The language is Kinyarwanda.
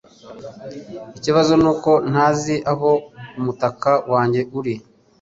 Ikibazo nuko ntazi aho umutaka wanjye uri